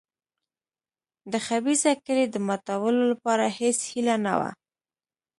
د خبیثه کړۍ د ماتولو لپاره هېڅ هیله نه وه.